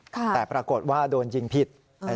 แต่ปรากฏว่าโดนยิงผิด